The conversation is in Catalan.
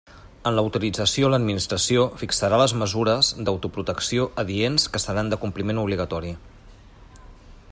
En l'autorització, l'Administració fixarà les mesures d'autoprotecció adients que seran de compliment obligatori.